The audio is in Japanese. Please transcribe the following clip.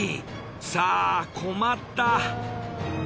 さあ困った。